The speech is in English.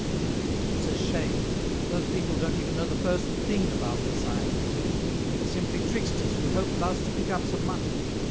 "And it's a shame! Those people don't even know the first thing about the science. They are simply tricksters who hope thus to pick up some money.